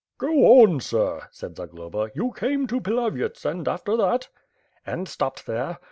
..." "Go on, sir," said Zagloba, "you came to Pilavyets, and, after that?" "And stopped there.